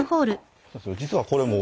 実はこれも。